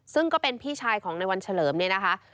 ซึ่งก็เป็นพี่ชายของในวันเฉลิมเนี่ยนะคะ